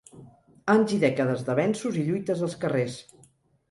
Anys i dècades d’avenços i lluites als carrers.